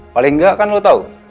paling enggak kan lo tau